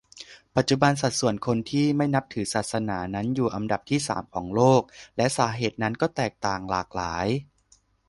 ปัจจุบันสัดส่วนคนที่ไม่นับถือศาสนานั้นอยู่อันดับที่สามของโลก และสาเหตุนั้นก็แตกต่างหลากหลาย